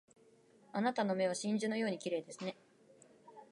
あなたの目は真珠のように綺麗ですね